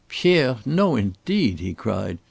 "Pierre! No, indeed!" he cried.